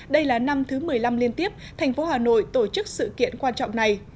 đây là năm thứ một mươi năm liên tiếp thành phố hà nội tổ chức sự kiện quan trọng này